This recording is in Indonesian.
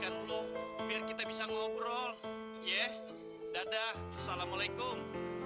ya udah kita bisa ngobrol ya dadah salamualaikum